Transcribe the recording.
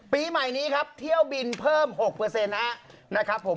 ปีใหม่นี้ครับเที่ยวบินเพิ่ม๖นะครับผม